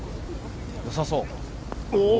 よさそう。